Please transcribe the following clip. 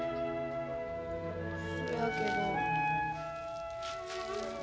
そやけど。